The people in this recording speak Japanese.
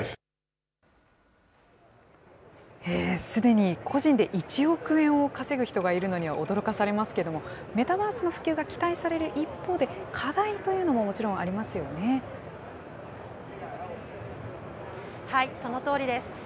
すでに個人で１億円を稼ぐ人がいるのには驚かされますけれども、メタバースの普及が期待される一方で、課題というのももちろそのとおりです。